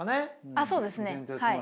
あそうですねはい。